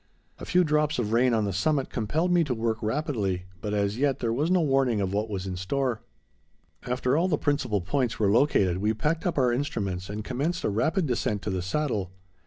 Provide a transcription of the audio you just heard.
A few drops of rain on the summit compelled me to work rapidly, but, as yet, there was no warning of what was in store. After all the principal points were located we packed up our instruments and commenced a rapid descent to the Saddle.